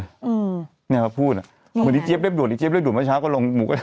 อืมเนี้ยเขาพูดอ่ะคนนี้เจี๊ยบเรียบด่วนนี้เจี๊ยบเรียบด่วนมาเช้าก็ลงหมูกระทะ